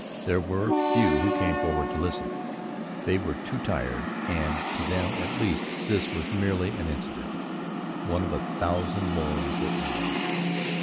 There were few who came forward to listen. They were too tired, and to them at least, this was merely an incident one of a thousand more important ones.